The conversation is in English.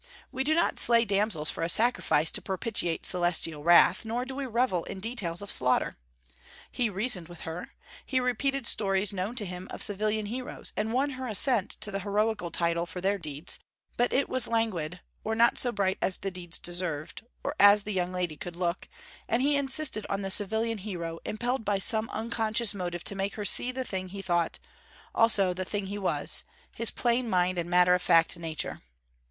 We do not slay damsels for a sacrifice to propitiate celestial wrath; nor do we revel in details of slaughter. He reasoned with her; he repeated stories known to him of civilian heroes, and won her assent to the heroical title for their deeds, but it was languid, or not so bright as the deeds deserved or as the young lady could look; and he insisted on the civilian hero, impelled by some unconscious motive to make her see the thing he thought, also the thing he was his plain mind and matter of fact nature.